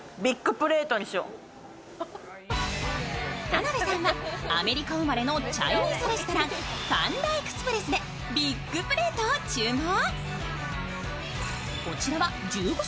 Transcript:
田辺さんはアメリカ生まれのチャイニーズレストランパンダエクスプレスでビッグプレートを注文。